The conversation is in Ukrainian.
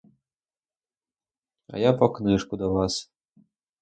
А я по книжку до вас.